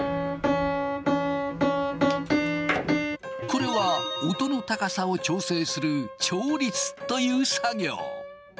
これは音の高さを調整する調律という作業。